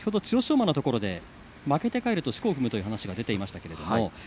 馬のところで負けて帰るとしこを踏むという話が出ていました。